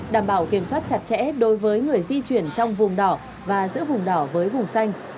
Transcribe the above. đảm bảo kiểm soát chặt chẽ đối với người di chuyển trong vùng đỏ và giữa vùng đỏ với vùng xanh